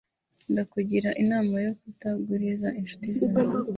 ndakugira inama yo kutaguriza inshuti zawe